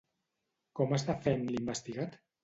Com es defèn l'investigat?